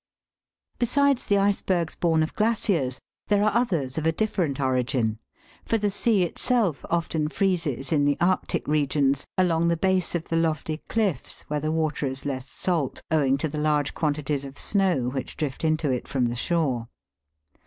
Besides the icebergs born of glaciers, there are others of a different origin, for the sea itself often freezes in the Arctic regions, along the base of the lofty cliffs, where the water is less salt, owing to the large quantities of snow which drift into it from the shore.